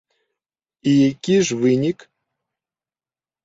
І які ж вынік?